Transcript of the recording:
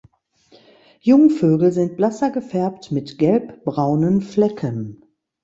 Jungvögel sind blasser gefärbt mit gelbbraunen Flecken.